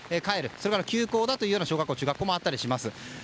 それから休校だという小学校・中学校もあったりします。